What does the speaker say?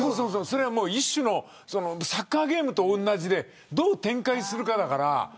一種のサッカーゲームと同じでどう展開するかだから。